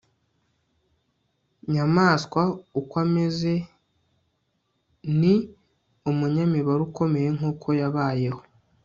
Nyamwasa uko ameze ni umunyamibare ukomeye nkuko yabayeho